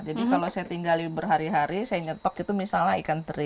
jadi kalau saya tinggal berhari hari saya nyetok itu misalnya ikan teri